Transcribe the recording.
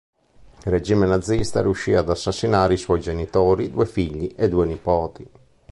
Il regime nazista riuscì ad assassinare i suoi genitori, due figli e due nipoti.